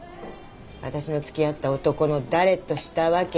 私の付き合った男の誰としたわけ？